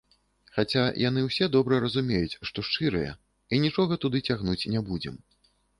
Хаця, яны ўсе добра разумеюць, што шчырыя і нічога туды цягнуць не будзем.